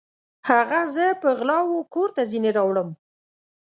هغه زه په غلا وکور ته ځیني راوړم